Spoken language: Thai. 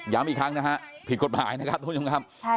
ย้ำอีกครั้งนะครับผิดกฎหมายนะครับทุกชมครับ